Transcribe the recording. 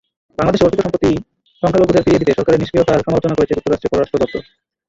বাংলাদেশে অর্পিত সম্পত্তি সংখ্যালঘুদের ফিরিয়ে দিতে সরকারের নিষ্ক্রিয়তার সমালোচনা করেছে যুক্তরাষ্ট্রের পররাষ্ট্র দপ্তর।